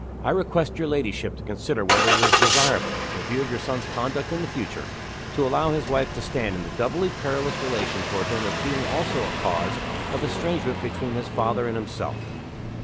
"I request your ladyship to consider whether it is desirable in view of your son's conduct in the future to allow his wife to stand in the doubly perilous relation toward him of being also a cause of estrangement between his father and himself."